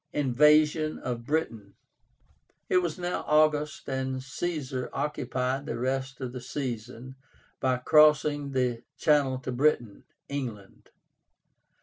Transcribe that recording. INVASION OF BRITAIN. It was now August and Caesar occupied the rest of the season by crossing the Channel to Britain (England).